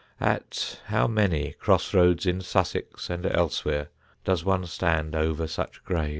At how many cross roads in Sussex and elsewhere does one stand over such graves?